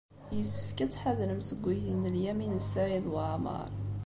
Yessefk ad tḥadrem seg uydi n Lyamin n Saɛid Waɛmeṛ.